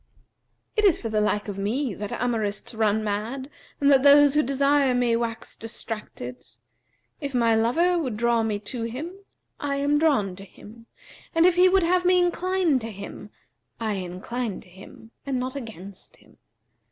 It is for the like of me that amourists run mad and that those who desire me wax distracted. If my lover would draw me to him, I am drawn to him; and if he would have me incline to him, I incline to him and not against him.